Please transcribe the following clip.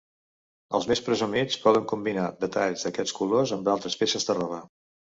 Els més presumits poden combinar detalls d’aquest color amb altres peces de roba.